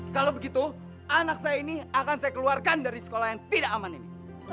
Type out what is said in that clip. kalau begitu anak saya ini akan saya keluarkan dari sekolah yang tidak aman ini